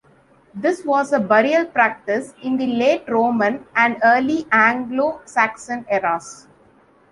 This was a burial practice in the late Roman and early Anglo-Saxon eras.